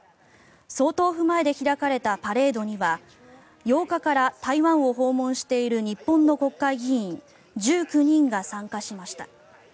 総統府前で開かれたパレードには８日から台湾を訪問している日本の国会議員１９人が参加しました。